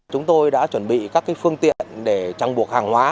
chúng tôi đã chuẩn bị các cái phương tiện để trăng buộc hàng hóa